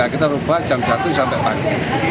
kita berubah jam jatuh sampai pagi